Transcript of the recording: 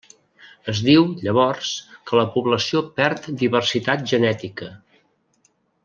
Es diu, llavors, que la població perd diversitat genètica.